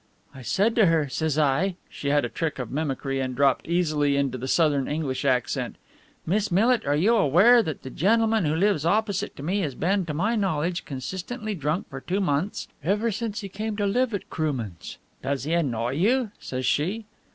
"I said to her, says I," she had a trick of mimicry and dropped easily into the southern English accent, "'Miss Millit, are you aware that the gentleman who lives opposite to me has been, to my knowledge, consistently drunk for two months ever since he came to live at Kroomans?' 'Does he annoy you?' says she.